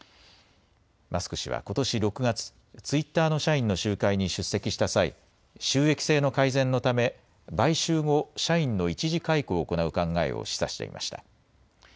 マスク氏はことし６月、ツイッターの社員の集会に出席した際、収益性の改善のため買収後、社員の一時解雇を行う考えを示唆していました。